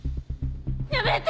やめて！